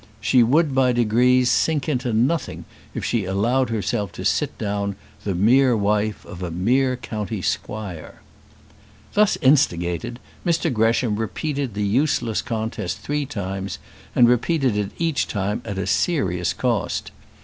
She would by degrees sink into nothing if she allowed herself to sit down, the mere wife of a mere country squire. Thus instigated, Mr Gresham repeated the useless contest three times, and repeated it each time at a serious cost.